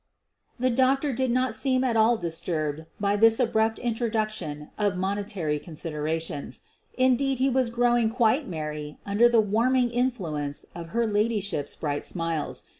The doctor did not seem at all disturbed by this abrupt introduction of monetary considerations. Indeed, he was growing quite ;merry under the warming influence of her ladyship's bright smiles.